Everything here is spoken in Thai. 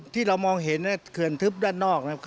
ที่เรามองเห็นเกือร์นทึบด้านนอก